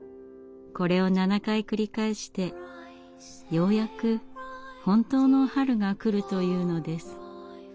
これを７回繰り返してようやく本当の春が来るというのです。